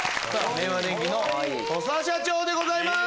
電機の土佐社長でございます。